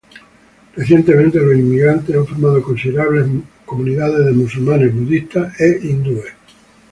Recientemente, los inmigrantes han formado considerables comunidades de musulmanes, budistas e hindúes.